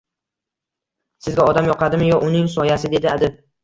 — Sizga odam yoqadimi yo uning soyasi? – dedi adib.